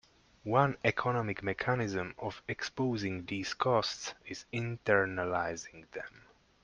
One economic mechanism of exposing these costs is internalizing them.